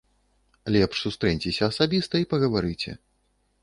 Лепш сустрэньцеся асабіста і пагаварыце.